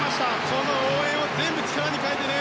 この応援を全部力に変えてね。